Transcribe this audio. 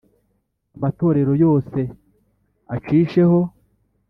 amatorero yose acisheho